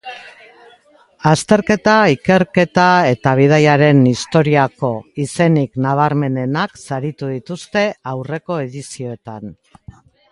Azterketa, ikerketa eta bidaiaren historiako izenik nabarmenenak saritu dituzte aurreko edizioetan.